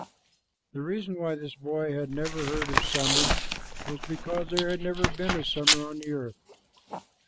The reason why this boy had never heard of summer was because there had never been a summer on the earth.